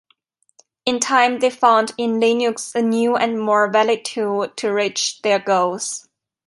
In time they found in Linux a new and more valid tool to reach their goals.